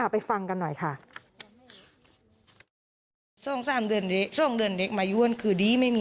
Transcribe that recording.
ไปฟังกันหน่อยค่ะ